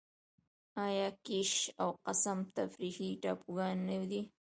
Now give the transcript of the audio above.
آیا کیش او قشم تفریحي ټاپوګان نه دي؟